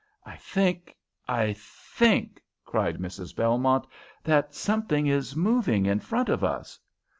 "I think I think," cried Mrs. Belmont, "that something is moving in front of us."